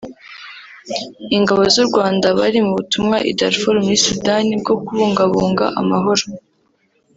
Ingabo z’u Rwanda bari mu butumwa i Darfur muri Sudani bwo kubungabunga amahoro